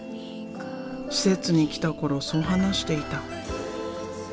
施設に来た頃そう話していた。